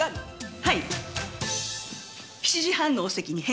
はい。